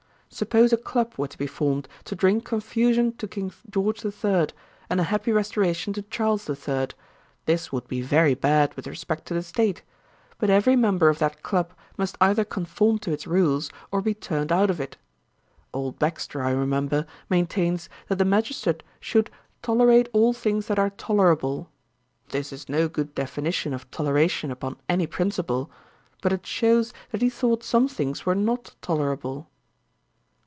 Suppose a club were to be formed, to drink confusion to King George the Third, and a happy restoration to Charles the Third, this would be very bad with respect to the State; but every member of that club must either conform to its rules, or be turned out of it. Old Baxter, I remember, maintains, that the magistrate should "tolerate all things that are tolerable." This is no good definition of toleration upon any principle; but it shews that he thought some things were not tolerable.'